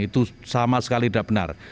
itu sama sekali tidak benar